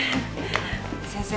先生。